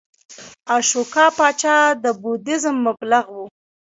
اشوکا پاچا د بودیزم مبلغ و